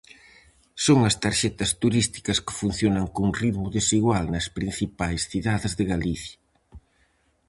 Son as tarxetas turísticas que funcionan con ritmo desigual nas principais cidades de Galicia.